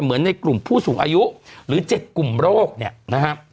ในกลุ่มผู้สูงอายุหรือ๗กลุ่มโรคเนี่ยนะฮะ